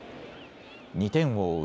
２点を追う